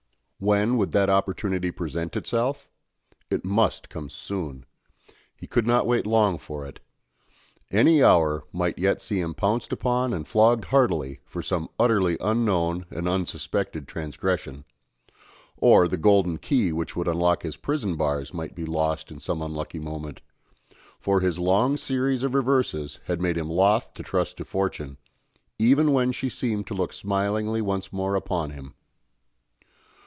When would that opportunity present itself? It must come soon. He could not wait long for it. Any hour might yet see him pounced upon and flogged heartily for some utterly unknown and unsuspected transgression; or the golden key which would unlock his prison bars might be lost in some unlucky moment; for his long series of reverses had made him loth to trust to Fortune, even when she seemed to look smilingly once more upon him.